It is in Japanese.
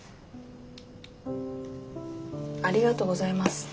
ありがとうございます。